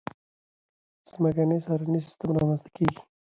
ځمکنی څارنیز سیستم رامنځته کېږي.